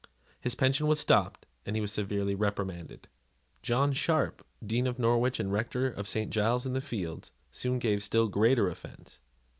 His pension was stopped, and he was severely reprimanded. John Sharp, Dean of Norwich and Rector of St. Giles's in the Fields, soon gave still greater offence.